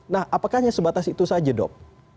nah apakah hanya sebatas itu saja dok